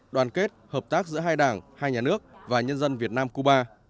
đoàn kết hợp tác giữa hai đảng hai nhà nước và nhân dân việt nam cuba